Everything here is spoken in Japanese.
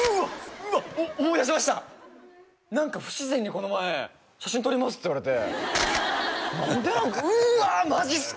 うわ思い出しました何か不自然にこの前「写真撮ります」って言われて何でなのかうわマジっすか！